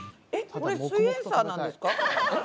これ「すイエんサー」なんですか？